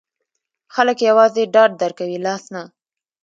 خلګ یوازې ډاډ درکوي، لاس نه.